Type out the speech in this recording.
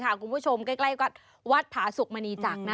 คุณผู้ชมใกล้วัดวัดผาสุกมณีจักรนะ